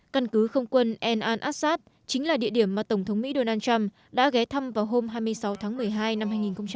căn cứ không quân al assad chính là địa điểm mà tổng thống mỹ donald trump đã ghé thăm vào hôm hai mươi sáu tháng một mươi hai năm hai nghìn một mươi chín